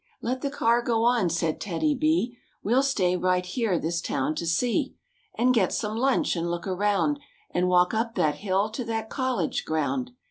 " Let the car go on," said TEDDY B, "Well stay right here this town to see And get some lunch and look around. And walk up that hill to that college ground.